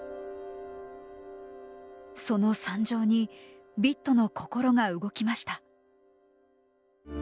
その惨状にビットの心が動きました。